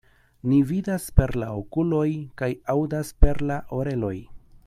Ni vidas per la okuloj kaj aŭdas perla oreloj.